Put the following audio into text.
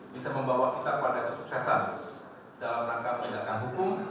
bisa membawa kita pada kesuksesan dalam rangka penegakan hukum